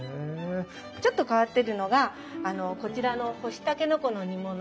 ちょっと変わってるのがこちらの干しタケノコの煮物。